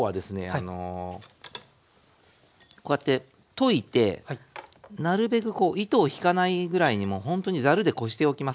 あのこうやって溶いてなるべくこう糸を引かないぐらいにもうほんとにザルでこしておきます。